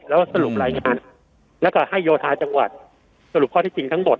แล้วสรุปรายงานแล้วก็ให้โยธาจังหวัดสรุปข้อที่จริงทั้งหมด